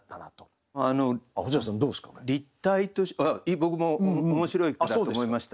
僕も面白い句だと思いました。